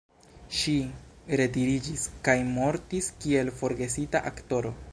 Ŝi retiriĝis kaj mortis kiel forgesita aktoro.